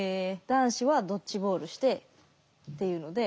男子はドッジボールしてっていうので。